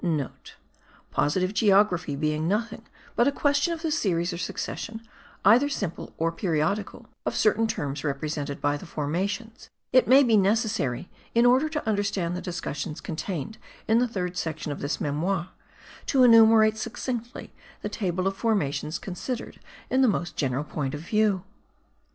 *(* Positive geography being nothing but a question of the series or succession (either simple or periodical) of certain terms represented by the formations, it may be necessary, in order to understand the discussions contained in the third section of this memoir, to enumerate succinctly the table of formations considered in the most general point of view.